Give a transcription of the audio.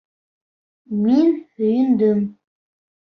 Мин һөйөндөм.